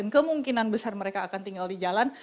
kemungkinan besar mereka akan tinggal di jalan